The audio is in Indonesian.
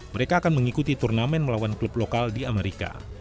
mereka akan mengikuti turnamen melawan klub lokal di amerika